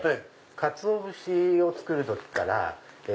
かつお節を作る時から。